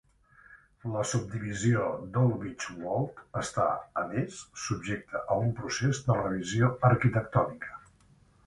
La subdivisió d'Old Beechwold està, a més, subjecta a un procés de revisió arquitectònica.